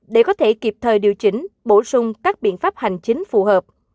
để có thể kịp thời điều chỉnh bổ sung các biện pháp hành chính phù hợp